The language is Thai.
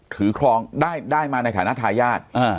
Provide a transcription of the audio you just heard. ถือครองได้มาในฐาชุฆ้ายาท